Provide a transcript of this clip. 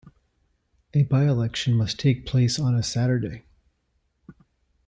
A by-election must take place on a Saturday.